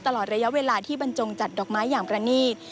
ตลอดระยะเวลาที่บรรจงจัดดอกไม้อย่างประนีต